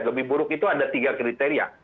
lebih buruk itu ada tiga kriteria